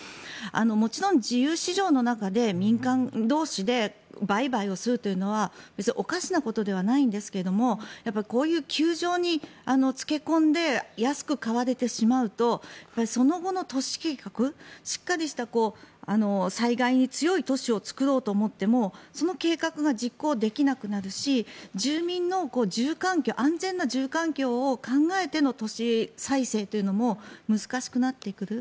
もちろん、自由市場の中で民間同士で売買をするというのは別におかしなことではないんですけどもこういう窮状に付け込んで安く買われてしまうとその後の都市計画しっかりした災害に強い都市を作ろうと思ってもその計画が実行できなくなるし住民の住環境、安全な住環境を考えての都市再生というのも難しくなってくる。